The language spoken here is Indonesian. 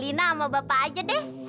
dina sama bapak aja deh